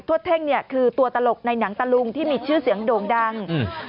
เท่งเนี่ยคือตัวตลกในหนังตะลุงที่มีชื่อเสียงโด่งดังอืม